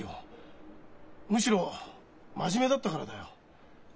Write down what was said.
むしろ真面目だったからだよ。